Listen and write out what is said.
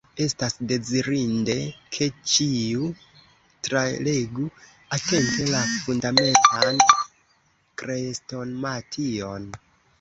Estas dezirinde, ke ĉiu, tralegu atente la Fundamentan Krestomation.